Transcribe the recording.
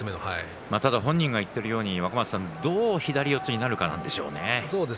ただ本人が言ったようにどう左四つになるかでしょうね。